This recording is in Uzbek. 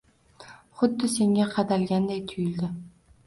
Xuddi senga qadalganday tuyuldi